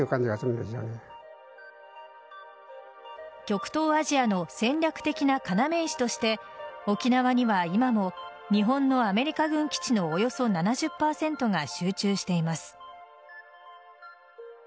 極東アジアの戦略的な要石として沖縄には今も日本のアメリカ軍基地のおよそ７０％が集中しています。